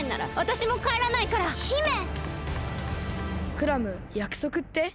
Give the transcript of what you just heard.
クラムやくそくって？